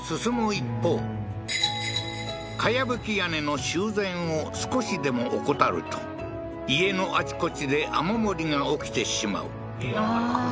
一方茅葺き屋根の修繕を少しでも怠ると家のあちこちで雨漏りが起きてしまうあ